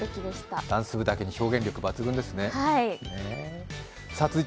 ダンス部だけに表現力抜群ですね。